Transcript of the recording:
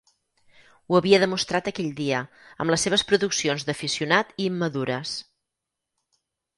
Ho havia demostrat aquell dia, amb les seves produccions d'aficionat i immadures.